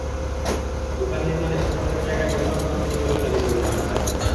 দোকান নির্মাণে ফুটপাতের জায়গা ব্যবহার করা হয়নি বলেও দাবি করেন তিনি।